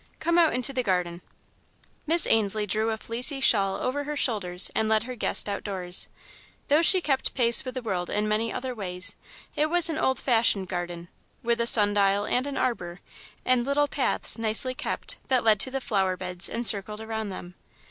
"Come out into the garden." Miss Ainslie drew a fleecy shawl over her shoulders and led her guest outdoors. Though she kept pace with the world in many other ways, it was an old fashioned garden, with a sun dial and an arbour, and little paths, nicely kept, that led to the flower beds and circled around them.